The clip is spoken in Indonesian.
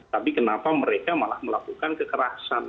tapi kenapa mereka malah melakukan kekerasan